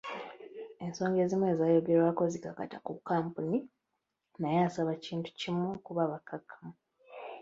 Ensonga ezimu ezayogerwako zikakata ku kkampuni naye asaba kintu kimu kuba bakakkamu.